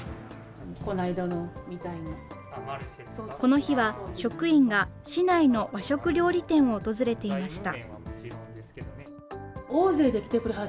この日は、職員が市内の和食料理店を訪れていました。